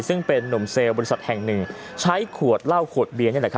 ซึ่งเป็นนุ่มเซลล์บริษัทแห่งหนึ่งใช้ขวดเหล้าขวดเบียร์